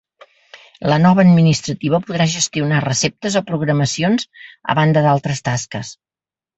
La nova administrativa podrà gestionar receptes o programacions a banda d’altres tasques.